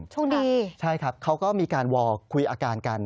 โชคดีใช่ครับเขาก็มีการวอลคุยอาการกัน